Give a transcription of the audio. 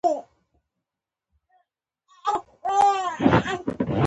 اسامه په هیڅ جنګ کې تر ما نه دی مخکې شوی.